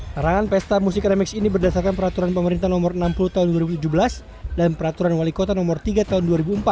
larangan pesta musik remix ini berdasarkan peraturan pemerintah nomor enam puluh tahun dua ribu tujuh belas dan peraturan wali kota nomor tiga tahun dua ribu empat belas